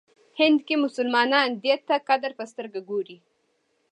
هند کې مسلمانان دی ته قدر په سترګه ګوري.